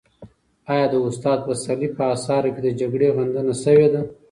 آیا د استاد پسرلي په اثارو کې د جګړې غندنه شوې ده؟